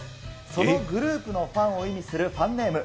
そのグループのファンを意味するファンネーム。